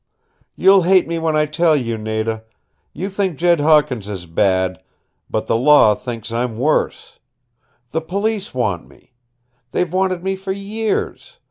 "You'll hate me when I tell you, Nada. You think Jed Hawkins is bad. But the law thinks I'm worse. The police want me. They've wanted me for years.